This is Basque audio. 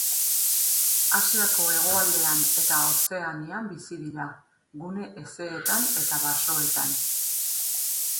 Asiako hegoaldean eta Ozeanian bizi dira, gune hezeetan eta basoetan.